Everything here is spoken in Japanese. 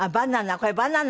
これバナナ